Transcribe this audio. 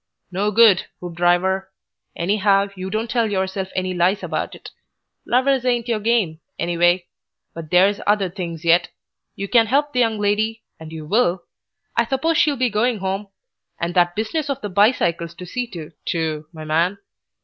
"No good, Hoopdriver. Anyhow, you don't tell yourself any lies about it. Lovers ain't your game, anyway. But there's other things yet. You can help the young lady, and you will I suppose she'll be going home And that business of the bicycle's to see to, too, my man.